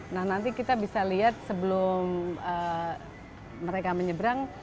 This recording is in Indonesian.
nah nanti kita bisa lihat sebelum mereka menyeberang